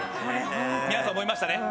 皆さん思いましたね。